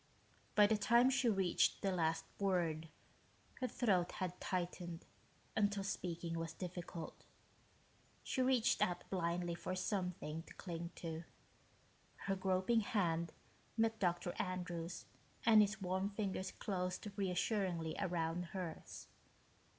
By the time she reached the last word, her throat had tightened until speaking was difficult. She reached out blindly for something to cling to. Her groping hand met Dr. Andrews' and his warm fingers closed reassuringly around hers.